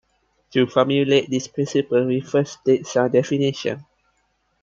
To formulate these principles we first state some definitions.